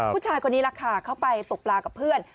ผู้ชายคนนี้แหละค่ะเขาไปตกปลากับเพื่อน